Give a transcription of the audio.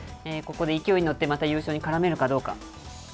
ここで勢いに乗ってまた優勝にからめるかどうか。